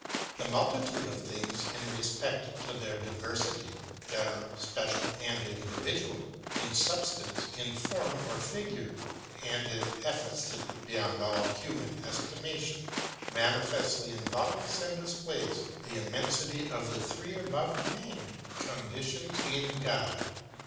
The multitude of things ŌĆö in respect to their diversity, general, special, and individual, in substance, in form or figure, and in effi cacy, beyond all human estimation ŌĆö manifestly involves and dis plays the immensity of the three above named conditions in God.